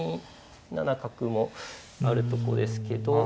２七角もあるとこですけど。